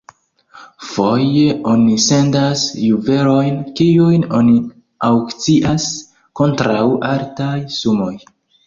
Foje oni sendas juvelojn, kiujn oni aŭkcias kontraŭ altaj sumoj.